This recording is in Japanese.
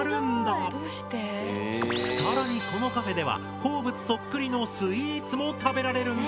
更にこのカフェでは鉱物そっくりのスイーツも食べられるんだ。